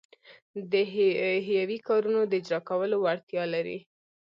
د حیوي کارونو د اجراکولو وړتیا لري.